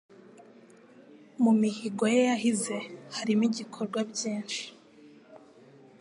Mu mihigo ye, yahize harimo igikorwa byinshi